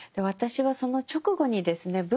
私はその直後にですね